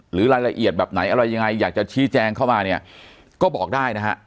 หรือรายละเอียดแบบไหนอะไรยังไงอยากจะชี้แจงเข้ามาเนี่ยก็บอกได้นะฮะ